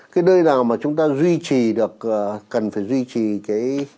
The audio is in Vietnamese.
cái nơi nào mà chúng ta duy trì được cần phải duy trì cái